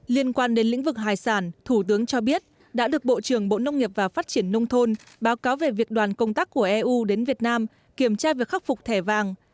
liên quan đến lĩnh vực hải sản thủ tướng cho biết đã được bộ trưởng bộ nông nghiệp và phát triển nông thôn báo cáo về việc đoàn công tác của eu đến việt nam kiểm tra việc khắc phục thẻ vàng